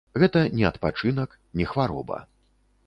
Гэта не адпачынак, не хвароба.